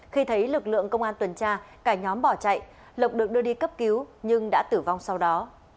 khi thấy lực lượng công an tuần tra cả nhóm bỏ chạy lộc được đưa đi cấp cứu nhưng đã tử vong sau đó